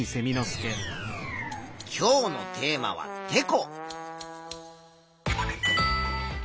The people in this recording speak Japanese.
今日のテーマはてこ。